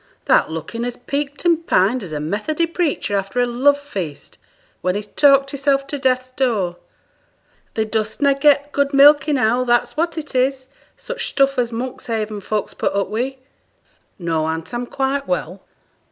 Thou'rt looking as peaked and pined as a Methody preacher after a love feast, when he's talked hisself to Death's door. Thee dost na' get good milk enow, that's what it is, such stuff as Monkshaven folks put up wi'!' 'No, aunt; I'm quite well.